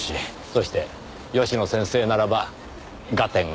そして吉野先生ならば合点がいきます。